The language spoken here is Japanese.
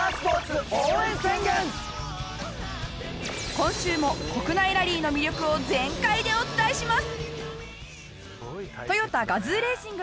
今週も国内ラリーの魅力を全開でお伝えします。